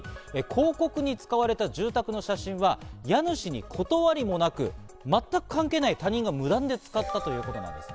つまり広告に使われた住宅の写真は、家主に断りもなく、全く関係ない他人が無断で使ったということなんです。